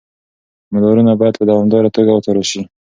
مدارونه باید په دوامداره توګه وڅارل شي.